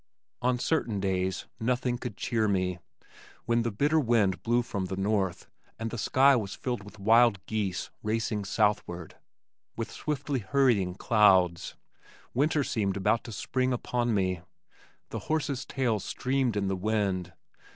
On certain days nothing could cheer me. When the bitter wind blew from the north, and the sky was filled with wild geese racing southward, with swiftly hurrying clouds, winter seemed about to spring upon me. The horses' tails streamed in the wind.